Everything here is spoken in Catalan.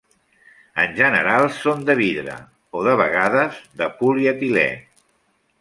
En general són de vidre, o de vegades de polietilè.